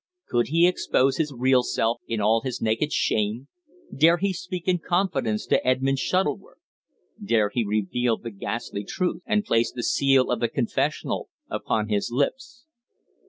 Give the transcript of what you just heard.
Could he expose his real self in all his naked shame; dare he speak in confidence to Edmund Shuttleworth? Dare he reveal the ghastly truth, and place the seal of the confessional upon his lips?